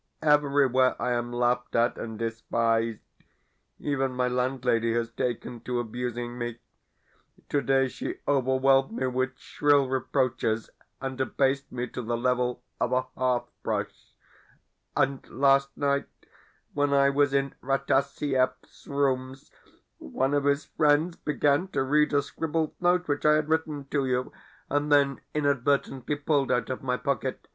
Everywhere I am laughed at and despised. Even my landlady has taken to abusing me. Today she overwhelmed me with shrill reproaches, and abased me to the level of a hearth brush. And last night, when I was in Rataziaev's rooms, one of his friends began to read a scribbled note which I had written to you, and then inadvertently pulled out of my pocket.